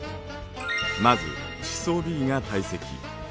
まず地層Ｂが堆積。